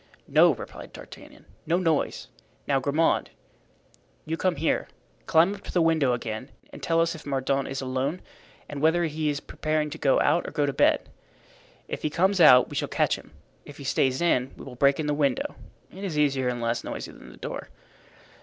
"No," replied D'Artagnan, "no noise. Now, Grimaud, you come here, climb up to the window again and tell us if Mordaunt is alone and whether he is preparing to go out or go to bed. If he comes out we shall catch him. If he stays in we will break in the window. It is easier and less noisy than the door."